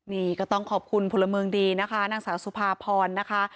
นี่ก็ต้องขอบคุณพลเมืองดีนะคะนางสาวสุภาพรนะคะ